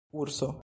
urso